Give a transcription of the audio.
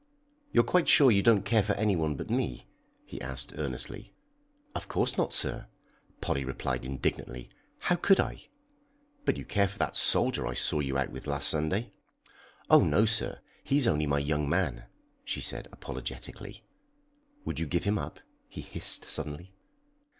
"You're quite sure you don't care for anyone but me?" he asked earnestly. "Of course not, sir!" Polly replied indignantly. "How could I?" "But you care for that soldier I saw you out with last Sunday?" "Oh no, sir, he's only my young man," she said apologetically. "Would you give him up?" he hissed suddenly.